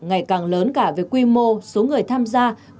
ngày càng lớn cả về quy mô số người tham gia